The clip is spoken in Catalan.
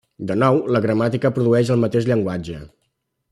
De nou, la gramàtica produeix el mateix llenguatge.